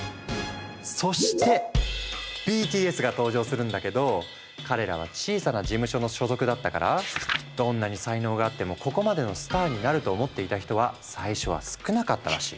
そしてＢＴＳが登場するんだけど彼らは小さな事務所の所属だったからどんなに才能があってもここまでのスターになると思っていた人は最初は少なかったらしい。